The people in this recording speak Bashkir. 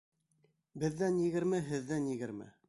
Беҙҙән егерме, һеҙҙән егерме.